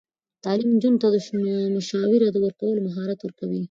تعلیم نجونو ته د مشاوره ورکولو مهارت ورکوي.